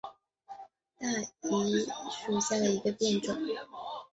大宜昌鳞毛蕨为鳞毛蕨科鳞毛蕨属下的一个变种。